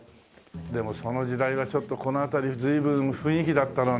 でもその時代はちょっとこの辺り随分雰囲気だったのね。